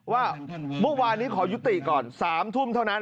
ว่าเมื่อวานนี้ขอยุติก่อน๓ทุ่มเท่านั้น